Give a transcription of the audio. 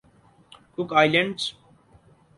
Cook Islands